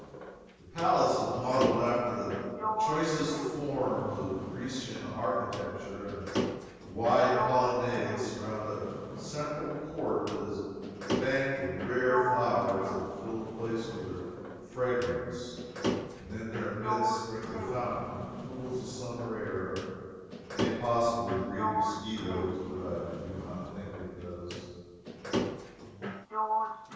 The palace is modeled after the choicest forms of Grecian architecture, and its wide colonnades surround a central court that is banked with rare flowers that fill the place with their fragrance, and in their midst springs a fountain that cools the summer air, and may possibly breed mosquitoes, but I do not think it does.